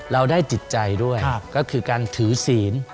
เราได้จิตใจด้วยก็คือการถือศีล